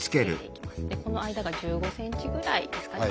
この間が１５ｃｍぐらいですかね。